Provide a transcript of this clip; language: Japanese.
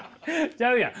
ちゃうやん。